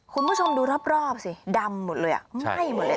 คุณผู้ชมดูรอบสิดำหมดเลยอ่ะไหม้หมดเลย